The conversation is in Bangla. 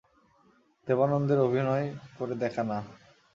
দেবানন্দের অভিনয় করে দেখা না।